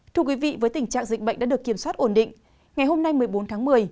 thưa quý vị với tình trạng dịch bệnh đã được kiểm soát ổn định ngày hôm nay một mươi bốn tháng một mươi